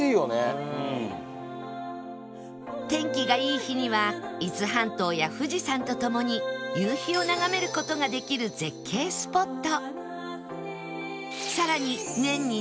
天気がいい日には伊豆半島や富士山とともに夕日を眺める事ができる絶景スポット